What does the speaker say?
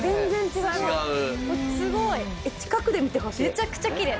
めちゃくちゃきれい。